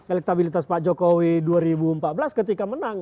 elektabilitas pak jokowi dua ribu empat belas ketika menang